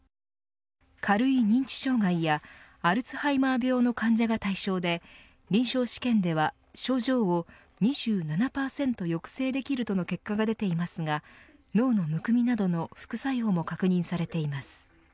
軽い認知障害やアルツハイマー病の患者が対象で臨床試験では症状を２７％抑制できるとの結果が出ていますが脳のむくみなどの副作用も確認されています。